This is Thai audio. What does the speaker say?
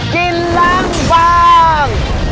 กินล่างค์ฟัง